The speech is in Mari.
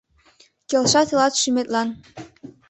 Келша тылат шӱметлан.